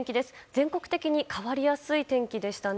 全国的に変わりやすい天気でしたね。